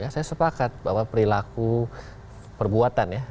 saya sepakat bahwa perilaku perbuatan ya